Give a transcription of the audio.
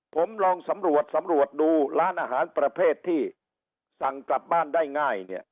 ผมลองสำรวจสำรวจดูร้านอาหารประเภทที่สั่งกลับบ้านได้ง่ายเนี่ย